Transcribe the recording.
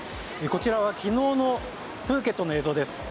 こちらは昨日のプーケットの映像です。